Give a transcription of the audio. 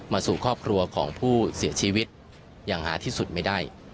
สู่ครอบครัวของผู้เสียชีวิตอย่างหาที่สุดไม่ได้